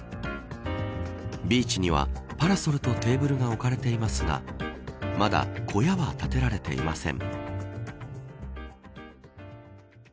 ビーチにはパラソルとテーブルが置かれていますがまだ小屋は建てられていません。